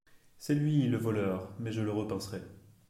C’est lui !… le voleur !… mais je le repincerai !